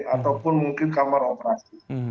ataupun mungkin kamar operasi